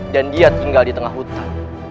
dan dia tinggal di tengah hutan